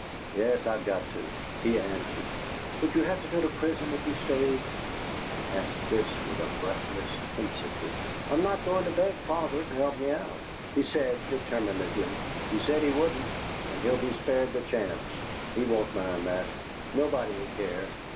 "Yes, I've got to," he answered. "Would you have to go to prison if you stayed?" She asked this with a breathless tensity. "I'm not going to beg father to help me out," he said, determinedly. "He said he wouldn't, and he'll be spared the chance. He won't mind that; nobody will care!